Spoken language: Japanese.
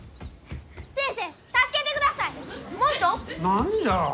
何じゃ？